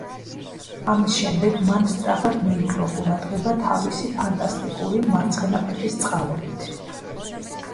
ამის შემდეგ მან სწრაფად მიიპყრო ყურადღება თავისი ფანტასტიკური მარცხენა ფეხის წყალობით.